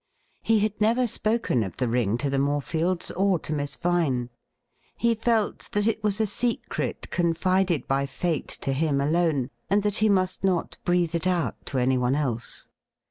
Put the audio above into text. He had never spoken of the ring to the Morefields or to Miss Vine. He felt that it was a secret confided by fate to him alone, and that he must not breathe it out to anyone else.